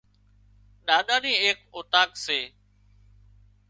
ڏاڏا نِي ايڪ اوطاق سي